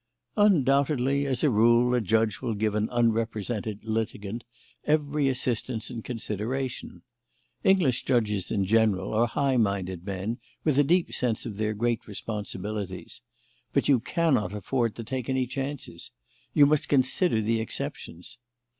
"Undoubtedly, as a rule, a judge will give an unrepresented litigant every assistance and consideration. English judges in general are high minded men with a deep sense of their great responsibilities. But you cannot afford to take any chances. You must consider the exceptions.